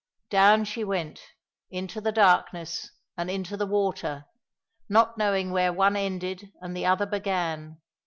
Down she went, into the darkness and into the water, not knowing where one ended and the other began.